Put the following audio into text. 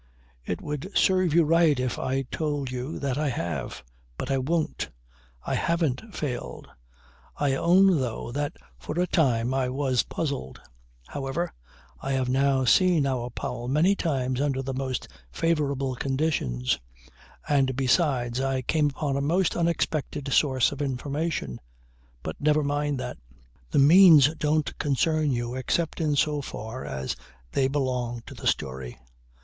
"It would serve you right if I told you that I have. But I won't. I haven't failed. I own though that for a time, I was puzzled. However, I have now seen our Powell many times under the most favourable conditions and besides I came upon a most unexpected source of information ... But never mind that. The means don't concern you except in so far as they belong to the story.